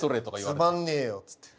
「つまんねえよ」っつって。